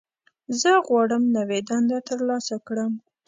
زه غواړم نوې دنده ترلاسه کړم.